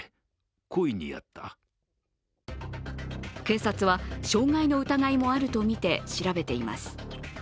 警察は、傷害の疑いもあるとみて調べています。